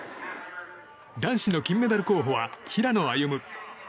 男子の金メダル候補は平野歩夢。